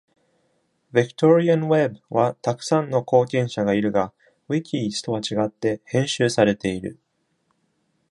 Victorian Web は、たくさんの貢献者がいるが、wikis とは違って、編集されている。